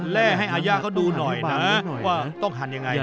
แร่ให้อาญาเขาดูหน่อยนะว่าต้องหั่นยังไง